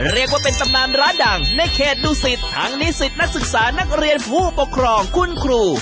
เรียกว่าเป็นตำนานร้านดังในเขตดูสิตทั้งนิสิตนักศึกษานักเรียนผู้ปกครองคุณครู